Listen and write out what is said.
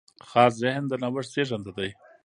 خلاص ذهن د نوښت زېږنده دی.